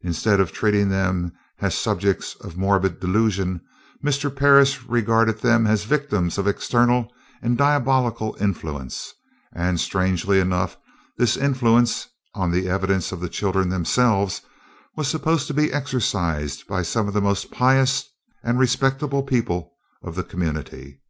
Instead of treating them as subjects of morbid delusion, Mr. Parris regarded them as victims of external and diabolical influence, and strangely enough this influence, on the evidence of the children themselves, was supposed to be exercised by some of the most pious and respectable people of the community.